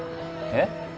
えっ？